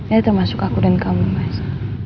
ya termasuk aku dan kamu mas